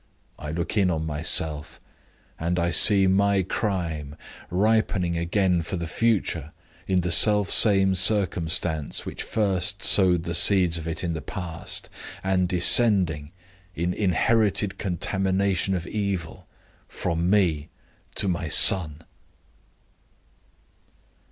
I look in on myself, and I see my crime ripening again for the future in the self same circumstance which first sowed the seeds of it in the past, and descending, in inherited contamination of evil, from me to my son."